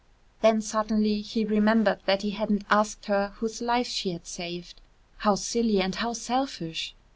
Then suddenly he remembered that he hadn't asked her whose life she had saved. How silly and how selfish!